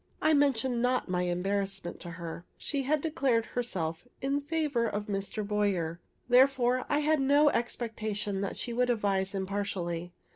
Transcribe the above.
I mentioned not my embarrassment to her. She had declared herself in favor of Mr. Boyer; therefore I had no expectation that she would advise impartially.